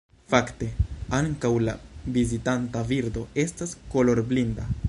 Fakte, ankaŭ la vizitanta birdo estas kolorblinda!